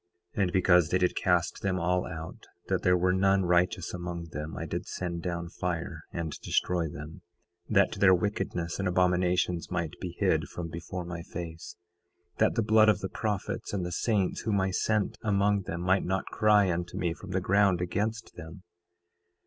9:11 And because they did cast them all out, that there were none righteous among them, I did send down fire and destroy them, that their wickedness and abominations might be hid from before my face, that the blood of the prophets and the saints whom I sent among them might not cry unto me from the ground against them.